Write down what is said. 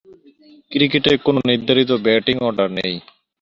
ক্রিকেটে কোনও নির্ধারিত ব্যাটিং অর্ডার নেই।